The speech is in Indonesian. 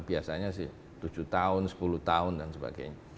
biasanya sih tujuh tahun sepuluh tahun dan sebagainya